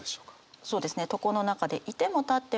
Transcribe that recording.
そうですね。